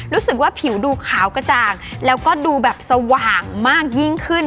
รู้สึกว่าผิวดูขาวกระจ่างแล้วก็ดูแบบสว่างมากยิ่งขึ้น